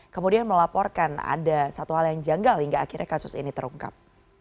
kemudian melaporkan ada satu hal yang janggal hingga akhirnya kasus ini terungkap